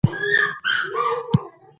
راکټ له موټرو، طیارو او کښتیو سره توپیر لري